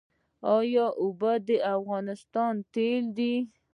آیا اوبه د افغانستان تیل دي؟